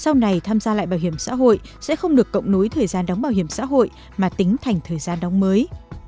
sau này tham gia lại bảo hiểm xã hội sẽ không được cộng nối thời gian đóng bảo hiểm xã hội mà tính thành thời gian đóng mới